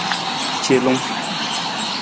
Celung.